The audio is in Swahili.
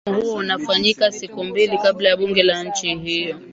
mgomo huo unafanyika siku mbili kabla ya bunge la nchi hiyo